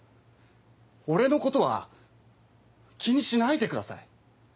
俺のことは気にしないでください。